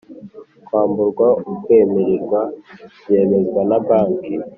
Kwamburwa ukwemererwa byemezwa na Banki